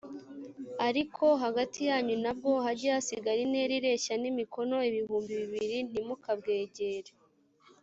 ariko hagati yanyu na bwo, hajye hasigara intera ireshya n’imikono ibihumbi bibiri; ntimukabwegere.